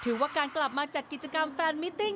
ถือว่าการกลับมาจัดกิจกรรมแฟนมิติ้ง